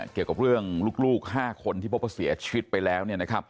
เกี่ยวกับเรื่องลูก๕คนที่พบว่าเสียชีวิตไปแล้ว